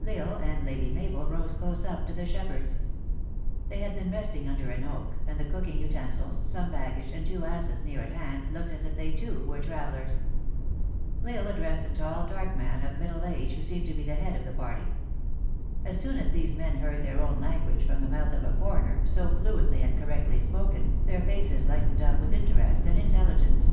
L Isle and Lady Mabel rode close up to the shep herds. They had been resting under an oak, and the cooking utensils, some baggage, and two asses near at hand, looked as if they, too, were travelers. L Isle 124 THE ACTRESS IN HIGH LIFE. addressed a tall, dark man, of middle age, wlio seemed to be the head of the party. As soon as these men heard their own language from the mouth of a for eigner, so fluently and correctly spoken, their faces lightened np with interest and intelligence.